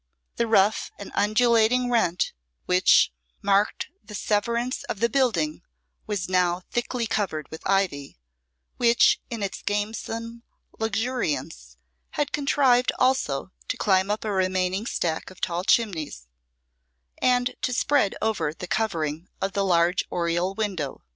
The rough and undulating rent which marked the severance of the building was now thickly covered with ivy, which in its gamesome luxuriance had contrived also to climb up a remaining stack of tall chimneys, and to spread over the covering of the large oriel window.